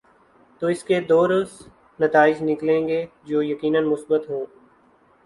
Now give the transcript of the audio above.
تو اس کے دوررس نتائج نکلیں گے جو یقینا مثبت ہوں۔